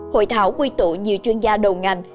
hội thảo quy tụ nhiều chuyên gia đầu ngành